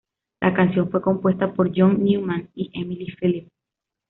La canción fue compuesta por John Newman y Emily Phillips.